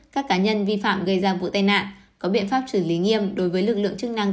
các cá nhân vi phạm gây ra vụ tai nạn có biện pháp xử lý nghiêm đối với lực lượng chức năng